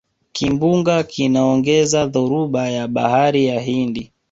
kimbunga kinaongeza dhoruba ya bahari ya hindi